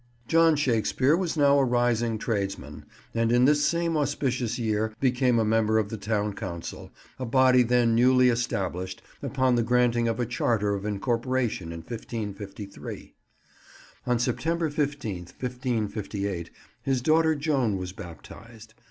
John Shakespeare was now a rising tradesman, and in this same auspicious year became a member of the town council, a body then newly established, upon the granting of a charter of incorporation in 1553. On September 15th, 1558 his daughter Joan was baptized.